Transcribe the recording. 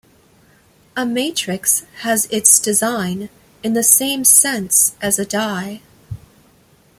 A matrix has its design in the same sense as a die.